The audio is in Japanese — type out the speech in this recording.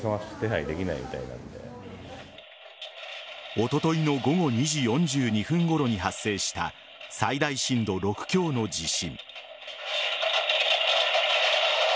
おとといの午後２時４２分ごろに発生した最大震度６強の地震。